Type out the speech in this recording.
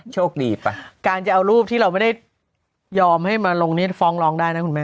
โชคดีป่ะการจะเอารูปที่เราไม่ได้ยอมให้มาลงนี้ฟ้องร้องได้นะคุณแม่